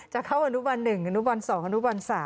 จะเข้าอนุบัน๑อนุบัน๒อนุบัน๓